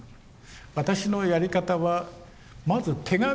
私のやり方はまず手紙を出す。